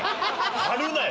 貼るなよ！